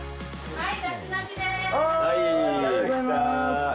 はい。